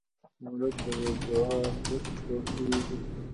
مړه ته د دعا ارزښت پوهېږو